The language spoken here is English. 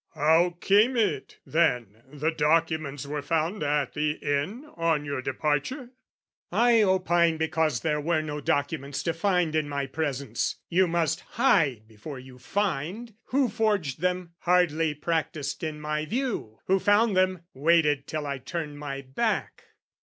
" How came it, then, the documents were found "At the inn on your departure?" "I opine, "Because there were no documents to find "In my presence, you must hide before you find. "Who forged them, hardly practised in my view; "Who found them, waited till I turned my back."